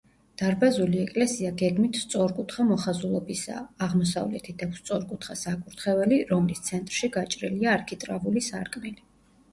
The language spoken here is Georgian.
დარბაზული ეკლესია გეგმით სწორკუთხა მოხაზულობისაა, აღმოსავლეთით აქვს სწორკუთხა საკურთხეველი, რომლის ცენტრში გაჭრილია არქიტრავული სარკმელი.